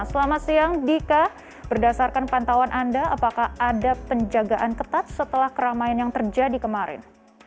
selamat siang dika berdasarkan pantauan anda apakah ada penjagaan ketat setelah keramaian yang terjadi kemarin